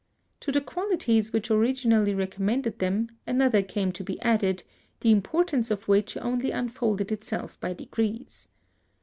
To the qualities which originally recommended them, another came to be added, the importance of which only unfolded itself by degrees.